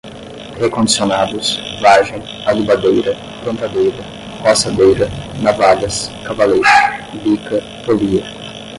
recondicionados, vagem, adubadeira, plantadeira, roçadeira, navalhas, cavalete, bica, polia